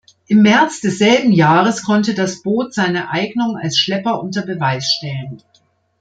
Im März desselben Jahres konnte das Boot seine Eignung als Schlepper unter Beweis stellen.